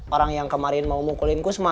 orang yang kemarin mau mukulin kusma